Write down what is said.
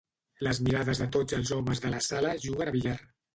Les mirades de tots els homes de la sala juguen a billar.